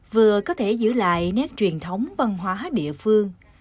vừa có thể giữ lại nét truyền thống văn hóa địa phương